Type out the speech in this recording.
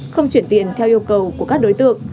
không chuyển tiền theo yêu cầu của các đối tượng